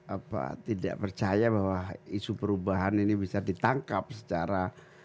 apa tidak percaya bahwa isu perubahan ini bisa ditangkap secara